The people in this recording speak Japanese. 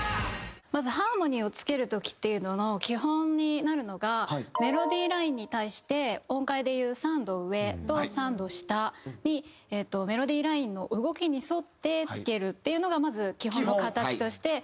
まずハーモニーをつける時っていうのの基本になるのがメロディーラインに対して音階でいう３度上と３度下にメロディーラインの動きに沿ってつけるっていうのがまず基本の形としてあるんですけど。